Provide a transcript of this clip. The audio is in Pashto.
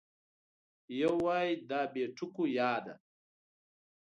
یو وای دا بې ټکو یا ده